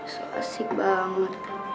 soal asyik banget